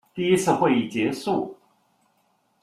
第一次会议结束。